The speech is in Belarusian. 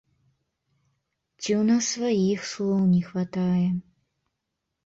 Ці ў нас сваіх слоў не хватае?